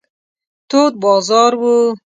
تود بازار و.